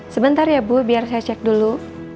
sebentar ya bu biar saya cek dulu